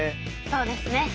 そうですね。